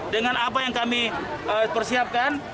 dengan apa yang kami persiapkan